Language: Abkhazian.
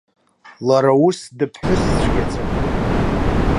Лара ус дыԥҳәыс цәгьаӡам.